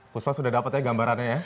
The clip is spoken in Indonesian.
puspa sudah dapat ya gambarannya ya